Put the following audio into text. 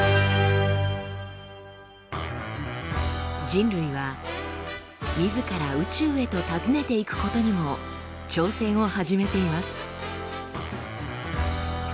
人類はみずから宇宙へと訪ねていくことにも挑戦を始めています。